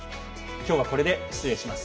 今日は、これで失礼します。